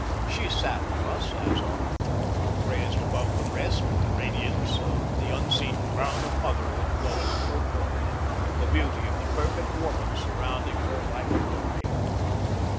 She sat thus, as on a throne, raised above the rest, the radiance of the unseen crown of motherhood glowing from her forehead, the beauty of the perfect woman surrounding her like a glory.